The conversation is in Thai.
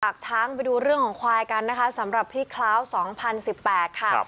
ช้างไปดูเรื่องของควายกันนะคะสำหรับพี่คล้าว๒๐๑๘ค่ะ